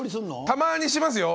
たまにしますよ。